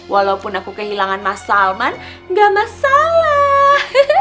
walaupun aku kehilangan mas salman nggak masalah